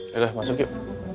yaudah masuk yuk